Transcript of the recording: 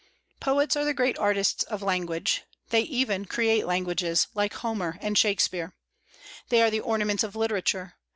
Poets are the great artists of language. They even create languages, like Homer and Shakspeare. They are the ornaments of literature.